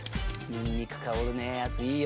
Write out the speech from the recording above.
ニンニク香るやついいよな。